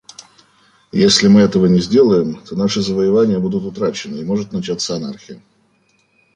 Если мы этого не сделаем, то наши завоевания будут утрачены и может начаться анархия.